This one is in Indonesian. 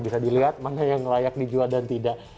bisa dilihat mana yang layak dijual dan tidak